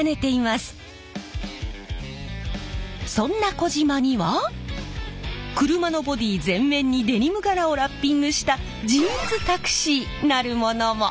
そんな児島には車のボディー全面にデニム柄をラッピングしたジーンズタクシーなるものも！